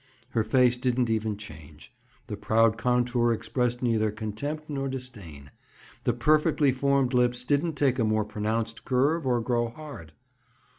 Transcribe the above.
Her face didn't even change; the proud contour expressed neither contempt nor disdain; the perfectly formed lips didn't take a more pronounced curve or grow hard.